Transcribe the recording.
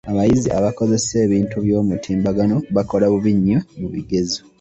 Abayizi abakozesa ebintu by'omutimbagano bakola bubi nnyo mu bigezo.